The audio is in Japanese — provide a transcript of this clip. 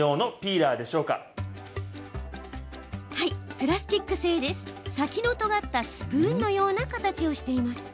プラスチック製で先のとがったスプーンのような形。